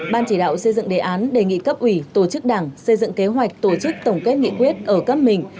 ban chỉ đạo xây dựng đề án đề nghị cấp ủy tổ chức đảng xây dựng kế hoạch tổ chức tổng kết nghị quyết ở cấp mình